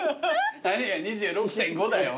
何が２６．５だよ。